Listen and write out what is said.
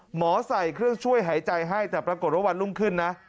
ใส่เครื่องช่วยหายใจให้แต่ปรากฏว่าวันรุ่งขึ้นนะ